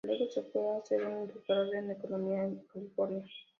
Luego se fue a hacer un doctorado en Economía en California.